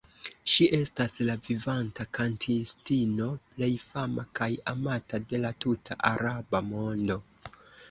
Ŝi estas la vivanta kantistino plej fama kaj amata de la tuta Araba mondo.